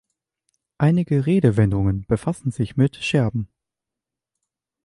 Einige Redewendungen befassen sich mit Scherben.